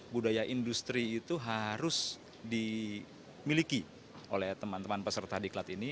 budaya industri itu harus dimiliki oleh teman teman peserta diklat ini